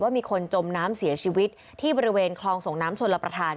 มีคนจมน้ำเสียชีวิตที่บริเวณคลองส่งน้ำชนลประธาน